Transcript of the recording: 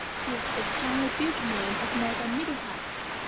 He was a strongly built man of more than middle height.